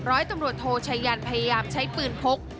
ร้อยตำรวจโทชัยยันพยายามใช้ปืนพก